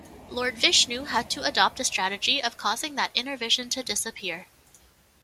Lord Vishnu had to adopt a strategy of causing that inner vision to disappear.